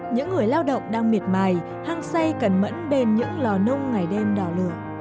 những người lao động đang miệt mài hăng say cần mẫn bên những lò nông ngày đêm đỏ lửa